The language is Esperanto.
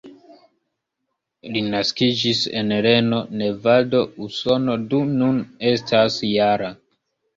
Li naskiĝis en Reno, Nevado, Usono, do nun estas -jara.